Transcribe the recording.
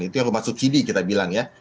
itu yang rumah subsidi kita bilang ya